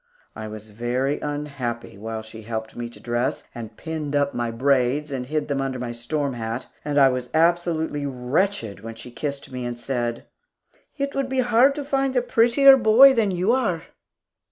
I was very unhappy while she helped me to dress, and pinned up my braids, and hid them under my storm hat; and I was absolutely wretched when she kissed me and said, "It would be hard to find a prettier little boy than you are."